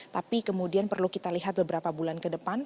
tapi kemudian perlu kita lihat beberapa bulan ke depan